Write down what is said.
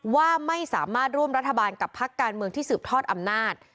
ว่าไม่สามารถร่วมรัฐบาลกับพักการเมืองที่สืบทอดอำนาจ